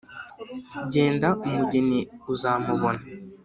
Genda umugeni uzamubona